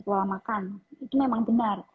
pola makan itu memang benar